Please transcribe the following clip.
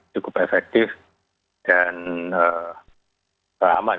cukup efektif dan aman